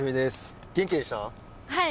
はい